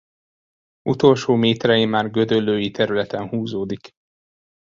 Utolsó méterein már gödöllői területen húzódik.